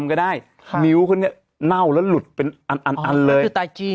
ก็ได้ครับนิ้วเขาเนี่ยเน่าแล้วหลุดเป็นอันอันอันเลยคือตายจี้